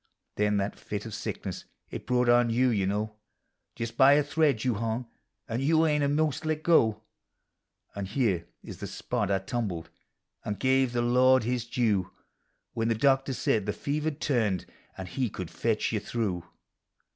Then that tit of sickness it brought on you, you know ; Just by a thread you hung, and you e'en a' most let go; And here is the spot I tumbled, an' give the Lord his due, When the doctor said the fever M turned, an' he could fetch you through.